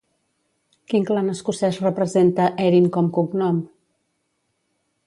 Quin clan escocès representa Erin com cognom?